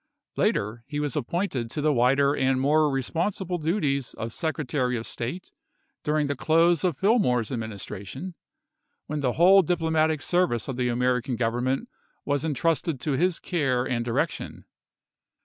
Later, he was appointed to the wider and more responsible duties of Secretary of State during the close of Fillmore's Administration, when the whole diplomatic service of the American Government was intrusted to his care and direc tion.